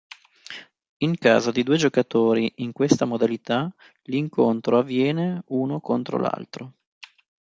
In caso di due giocatori in questa modalità, l'incontro avviene uno contro l'altro.